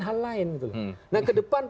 hal lain nah ke depan